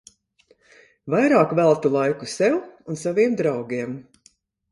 Vairāk veltu laiku sev un saviem draugiem.